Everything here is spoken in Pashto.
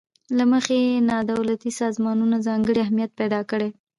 له مخې یې نا دولتي سازمانونو ځانګړی اهمیت پیداکړی.